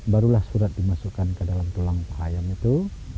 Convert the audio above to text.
barulah surat dimasukkan ke dalam tulang paha ayam itu